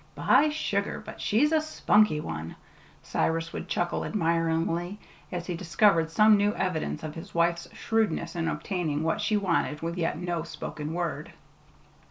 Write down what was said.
"By sugar but she's a spunky one!" Cyrus would chuckle admiringly, as he discovered some new evidence of his wife's shrewdness in obtaining what she wanted with yet no spoken word.